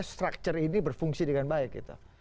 structure ini berfungsi dengan baik gitu